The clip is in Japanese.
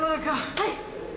はい。